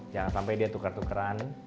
jangan sampai dia tukar tukaran